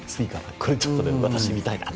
これ、ちょっと私、見たいなと。